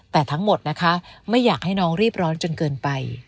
แต่ทั้งหมดนะคะไม่อยากให้น้องรีบร้อนจนเกินไป